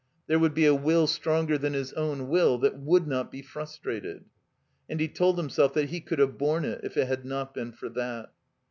There would be a will stronger than his own will that would not be frustrated. And he told himself that he could have borne it if it had not been for that.